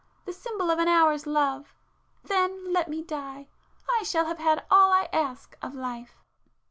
—the symbol of an hour's love!—then let me die; I shall have had all I ask of life!"